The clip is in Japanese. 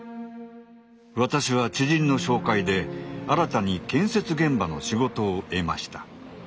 私は知人の紹介で新たに建設現場の仕事を得ました。